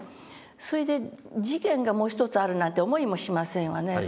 それで次元がもう一つあるなんて思いもしませんわね。